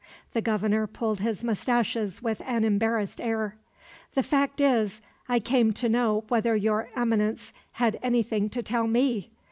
The Governor pulled his moustaches with an embarrassed air. "The fact is, I came to know whether Your Eminence had anything to tell me.